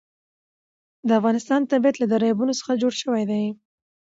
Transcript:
د افغانستان طبیعت له دریابونه څخه جوړ شوی دی.